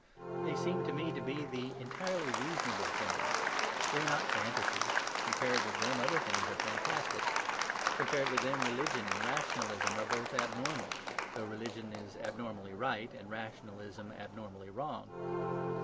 They seem to me to be the entirely reasonable things. They are not fantasies: compared with them other things are fantastic. Compared with them religion and rationalism are both abnormal, though religion is abnormally right and rationalism abnormally wrong.